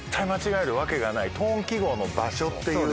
ト音記号の場所っていう。